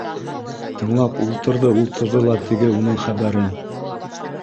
Тыңлап ултырҙы-ултырҙы ла теге уның хәбәрен: